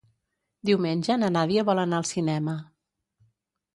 Diumenge na Nàdia vol anar al cinema.